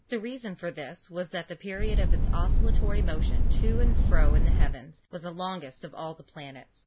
The reason for this was that the period of its oscillatory motion to and fro in the heavens was longest of all of the planets.